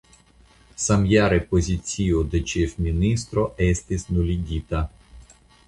Samjare pozicio de ĉefministro estis nuligita.